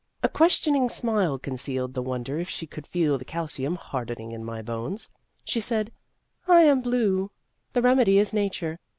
A questioning smile concealed the wonder if she could feel the calcium hardening in my bones. She said :" I am blue. The remedy is nature.